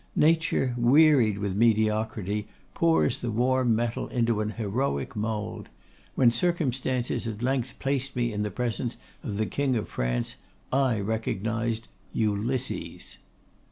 Nature, wearied with mediocrity, pours the warm metal into an heroic mould. When circumstances at length placed me in the presence of the King of France, I recognised, ULYSSES!